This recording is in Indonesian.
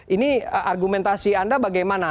ini argumentasi anda bagaimana